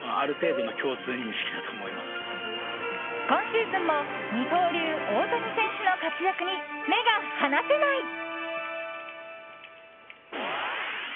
今シーズンも二刀流・大谷選手の活躍に目が離せない。